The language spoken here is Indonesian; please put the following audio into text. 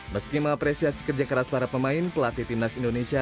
meski mengapresiasi kerja keras para pemain pelatih timnas indonesia